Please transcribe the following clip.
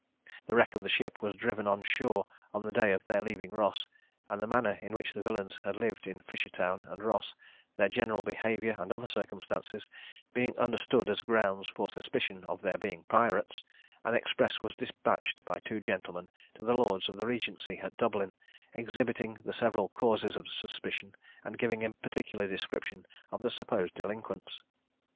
The wreck of the ship was driven on shore on the day of their leaving Ross; and the manner in which the villains had lived at Fishertown and Ross, their general behaviour, and other circumstances, being understood as grounds for suspicion of their being pirates, an express was despatched by two gentlemen to the lords of the regency at Dublin, exhibiting the several causes of suspicion, and giving a particular description of the supposed delinquents.